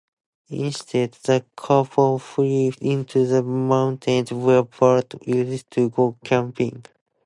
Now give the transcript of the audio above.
Instead, the couple flee into the mountains where Bart used to go camping.